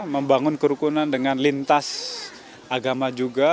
membangun kerukunan dengan lintas agama juga